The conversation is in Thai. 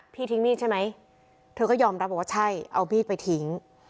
ทิ้งมีดใช่ไหมเธอก็ยอมรับบอกว่าใช่เอามีดไปทิ้ง